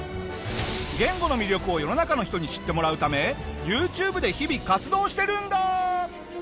言語の魅力を世の中の人に知ってもらうためＹｏｕＴｕｂｅで日々活動してるんだ！